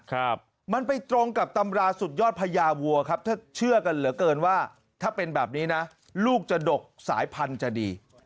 ครับมันไปตรงกับตำราสุดยอดพญาวัวครับถ้าเชื่อกันเหลือเกินว่าถ้าเป็นแบบนี้นะลูกจะดกสายพันธุ์จะดี